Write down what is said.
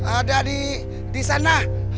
ada di sana